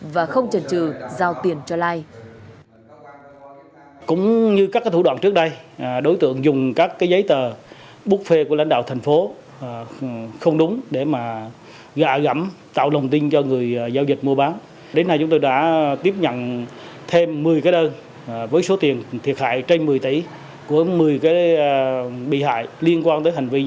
và không trần trừ giao tiền cho lai